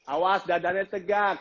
awas dadanya tegak